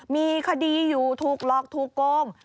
มีคดีอยู่ทุกลอกทุกโกง